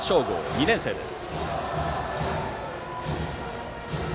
２年生です。